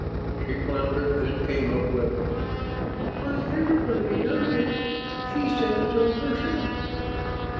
She floundered, then came up with: "Why, _every_body knows it. She says so herself."